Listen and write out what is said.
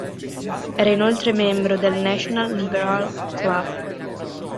Era inoltre membro del the National Liberal Club.